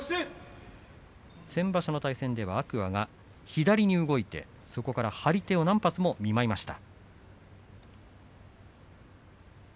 先場所の対戦では天空海が左に動いてそこから張り手を何発も見舞いました。